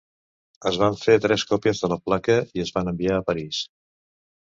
Es van fer tres còpies de la placa i es van enviar a París.